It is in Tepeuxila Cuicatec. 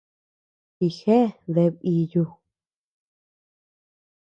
Jijea deabea iiyuu.